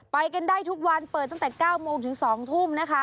ไปกันได้ทุกวันเปิดตั้งแต่๙โมงถึง๒ทุ่มนะคะ